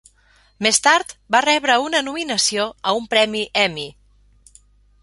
Més tard va rebre una nominació a un Premi Emmy.